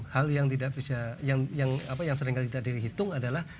hal yang seringkali tidak dihitung adalah